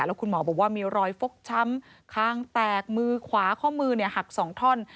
แล้วคุณหมอบอกว่ามีรอยฟกช้ำคางแตกมือขวาข้อมือหัก๒ท่อน